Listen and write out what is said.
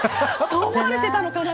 そう思われてたのかな。